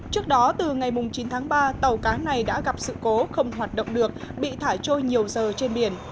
trước đó từ ngày chín tháng ba tàu cá này đã gặp sự cố không hoạt động được bị thả trôi nhiều giờ trên biển